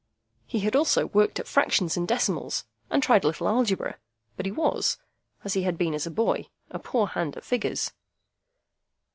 He had also worked at fractions and decimals, and tried a little algebra; but he was, and had been as a boy, a poor hand at figures.